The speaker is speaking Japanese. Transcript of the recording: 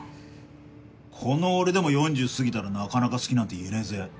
この俺でも４０過ぎたらなかなか好きなんて言えねぇぜ。